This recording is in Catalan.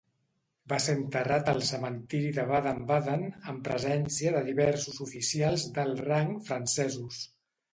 Va ser enterrat al cementiri de Baden-Baden, en presència de diversos oficials d'alt rang francesos.